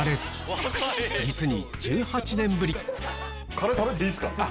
カレー食べていいっすか？